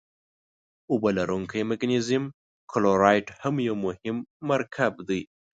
اوبه لرونکی مګنیزیم کلورایډ هم یو مهم مرکب دی.